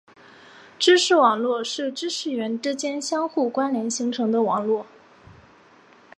知识网络是知识元之间相互关联形成的网络。